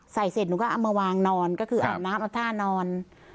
เสร็จหนูก็เอามาวางนอนก็คืออาบน้ำเอาท่านอน